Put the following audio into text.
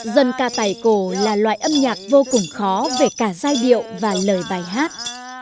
dân ca tài cổ là loại âm nhạc vô cùng khó về cả giai điệu và lời bài hát